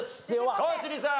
川尻さん。